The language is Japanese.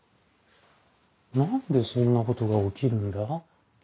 何でそんなことが起きるんだ？